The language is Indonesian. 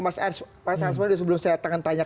mas ars mas ars mendi sebelum saya tanya tanya